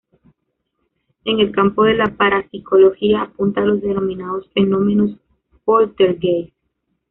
En el campo de la parapsicología apunta a los denominados fenómenos poltergeist.